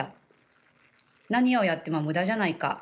「何をやっても無駄じゃないか」